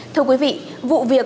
thưa quý vị vụ việc